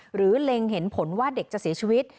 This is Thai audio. เล็งเห็นผลว่าเด็กจะเสียชีวิต